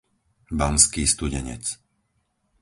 Banský Studenec